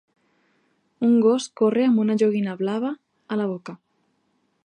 Un gos corre amb una joguina blava a la boca.